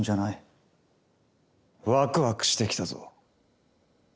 ワクワクしてきたぞ。